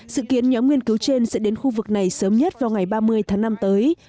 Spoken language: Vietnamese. sự kiến nhóm nghiên cứu trên sẽ đến khu vực này sớm nhất vào ngày ba mươi tháng năm tới